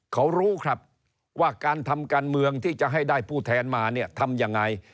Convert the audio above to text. เขารู้ครับว่าการทำการเมืองที่จะให้ได้ผู้แทนมาเนี่ยทำยังไง